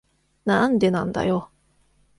なんでなんだよ。